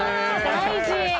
大事。